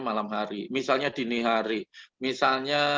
malam hari misalnya dini hari misalnya